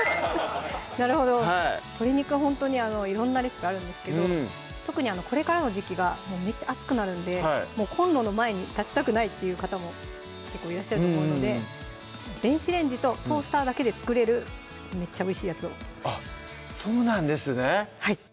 なるほど鶏肉はほんとに色んなレシピあるんですけど特にこれからの時季がめっちゃ暑くなるんでもうコンロの前に立ちたくないっていう方も結構いらっしゃると思うので電子レンジとトースターだけで作れるめっちゃおいしいやつをあっそうなんですね